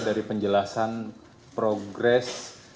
dari penjelasan progres